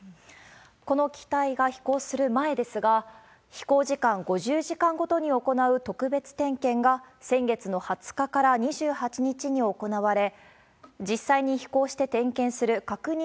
この機体が飛行する前ですが、飛行時間５０時間ごとに行う特別点検が、先月の２０日から２８日に行われ、実際に飛行して点検する確認